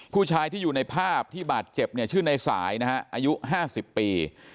ผู้ชายที่อยู่ในภาพที่บาดเจ็บเนี่ยชื่อในสายนะฮะอายุ๕๐ปี